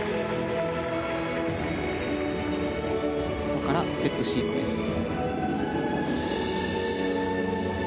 ここからステップシークエンス。